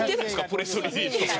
プレスリリースとか。